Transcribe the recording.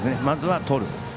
まずは、とる。